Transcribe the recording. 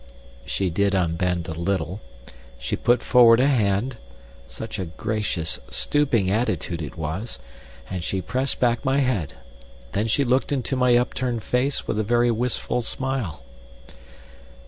She did unbend a little. She put forward a hand such a gracious, stooping attitude it was and she pressed back my head. Then she looked into my upturned face with a very wistful smile.